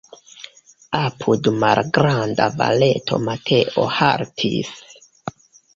Apud malgranda valeto Mateo haltis.